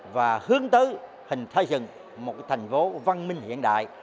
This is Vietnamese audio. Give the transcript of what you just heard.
và hướng tới hình thay dựng một thành phố văn minh hiện đại